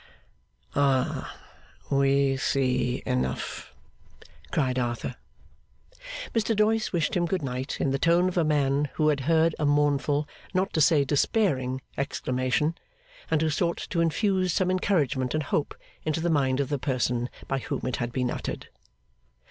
'Ah! We see enough!' cried Arthur. Mr Doyce wished him Good Night in the tone of a man who had heard a mournful, not to say despairing, exclamation, and who sought to infuse some encouragement and hope into the mind of the person by whom it had been uttered.